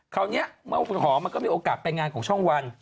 คราวนี้หอมมันก็มีโอกาสไปงานของช่องวัน